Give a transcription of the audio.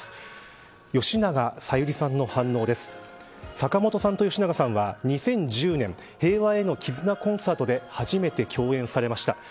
坂本さんと吉永さんは２０１０年平和への絆コンサートで初めて共演されました。